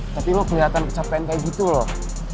tapi lo kelihatan kecapean kayak gitu loh